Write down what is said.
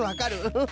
フフ。